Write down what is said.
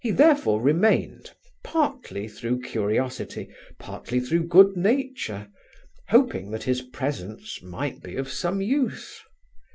He therefore remained, partly through curiosity, partly through good nature, hoping that his presence might be of some use.